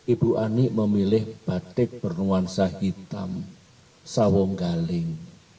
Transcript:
ibu ani memilih batik bernuansa hitam sawong galing